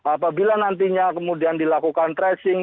apabila nantinya kemudian dilakukan tracing